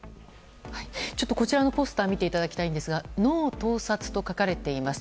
こちらのポスターを見ていただきたいんですが「ＮＯ！盗撮」と書かれています。